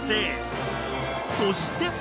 ［そして］